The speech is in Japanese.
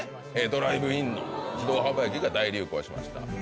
ドライブインの自動販売機が大流行しました